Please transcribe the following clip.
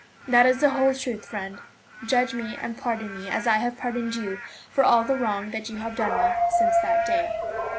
That is the whole truth, friend. Judge me and pardon me, as I have pardoned you for all the wrong that you have done me since that day.